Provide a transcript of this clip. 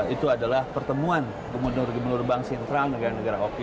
itu adalah pertemuan gubernur bank sentral dan negara negara oki